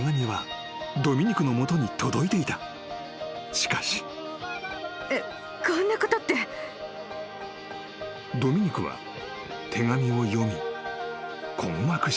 ［しかし］［ドミニクは手紙を読み困惑した］